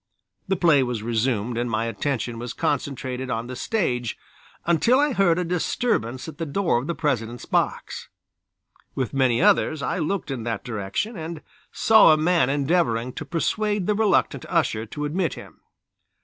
The play was resumed and my attention was concentrated on the stage until I heard a disturbance at the door of the President's box. With many others I looked in that direction, and saw a man endeavoring to persuade the reluctant usher to admit him.